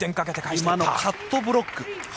今、カットブロック。